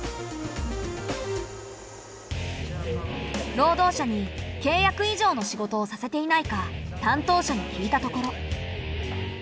労働者に契約以上の仕事をさせていないか担当者に聞いたところ。